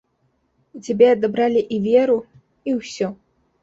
У цябе адабралі і веру, і ўсё.